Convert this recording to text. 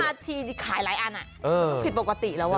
นาทีขายหลายอันผิดปกติแล้ว